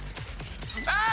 あ！